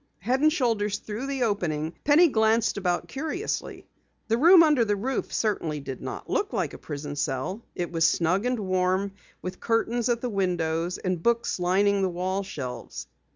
Head and shoulders through the opening, Penny glanced about curiously. The room under the roof certainly did not look like a prison cell. It was snug and warm, with curtains at the windows and books lining the wall shelves.